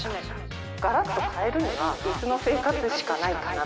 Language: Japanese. ガラッと変えるには椅子の生活しかないかなと。